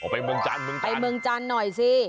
อ๋อไปเมืองจันทร์ไปเมืองจันทร์หน่อยสิ